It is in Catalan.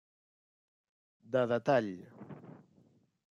De detall: